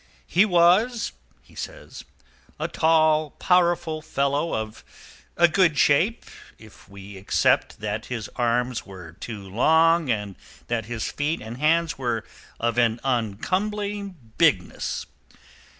"He was," he says, "a tall, powerful fellow of a good shape, if we except that his arms were too long and that his feet and hands were of an uncomely bigness.